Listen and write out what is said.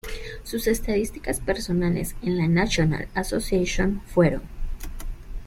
Sus estadísticas personales en la National Association fueron.